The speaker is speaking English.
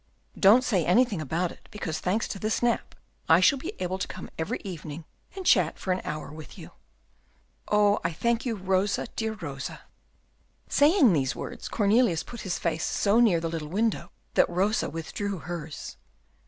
Don't say anything about it, because, thanks to this nap, I shall be able to come every evening and chat for an hour with you." "Oh, I thank you, Rosa, dear Rosa." Saying these words, Cornelius put his face so near the little window that Rosa withdrew hers.